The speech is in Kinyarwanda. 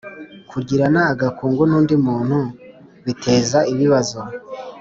Kugirana agakungu n undi muntu biteza ibibazo